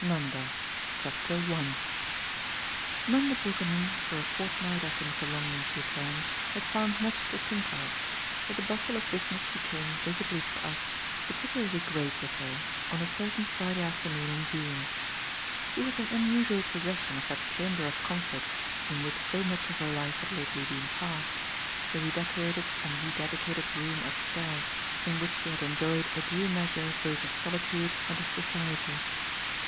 NANDA I Nanda Brookenham, for a fortnight after Mr. Longdon's return, had found much to think of; but the bustle of business became, visibly for us, particularly great with her on a certain Friday afternoon in June. She was in unusual possession of that chamber of comfort in which so much of her life had lately been passed, the redecorated and rededicated room upstairs in which she had enjoyed a due measure both of solitude and of society.